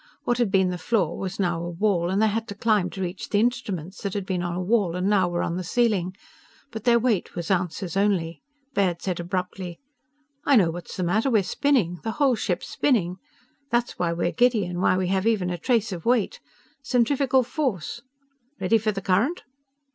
What had been the floor was now a wall, and they had to climb to reach the instruments that had been on a wall and now were on the ceiling. But their weight was ounces only. Baird said abruptly: "I know what's the matter! We're spinning! The whole ship's spinning! That's why we're giddy and why we have even a trace of weight. Centrifugal force! Ready for the current?"